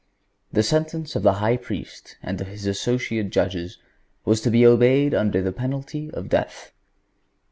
The sentence of the High Priest and of his associate judges was to be obeyed under penalty of death.